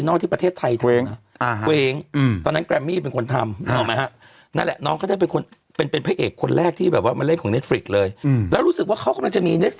หมูป่าอ๋อยายายจะมารับเชิญนะฮะเล่นเป็นโค้ดด้วยนะสามหมูป่า